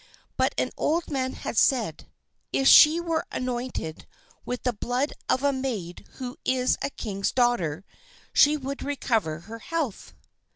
But an old man had said, "If she were anointed with the blood of a maid who is a king's daughter, she would recover her health."